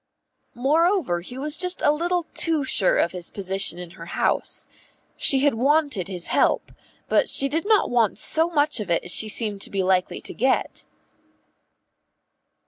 Moreover he was just a little too sure of his position in her house. She had wanted his help, but she did not want so much of it as she seemed to be likely to get.